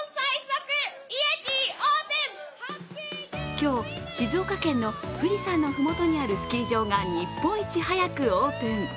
今日、静岡県の富士山のふもとにあるスキー場が日本一早くオープン。